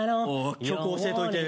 曲教えといて。